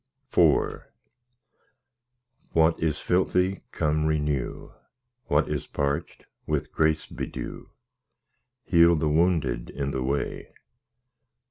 IV What is filthy, come, renew; What is parched, with grace bedew; Heal the wounded in the way.